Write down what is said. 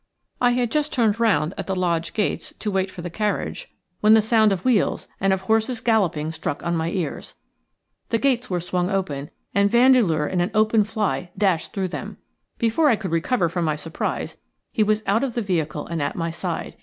I had just turned round at the lodge gates to wait for the carriage when the sound of wheels and of horses galloping struck on my ears. The gates were swung open, and Vandeleur in an open fly dashed through them. Before I could recover from my surprise he was out of the vehicle and at my side.